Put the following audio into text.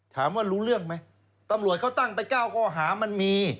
รู้เรื่องไหมตำรวจเขาตั้งไป๙ข้อหามันมี